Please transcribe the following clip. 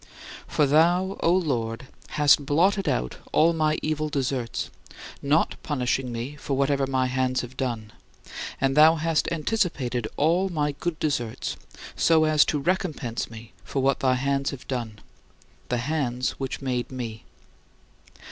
For thou, O Lord, hast blotted out all my evil deserts, not punishing me for what my hands have done; and thou hast anticipated all my good deserts so as to recompense me for what thy hands have done the hands which made me.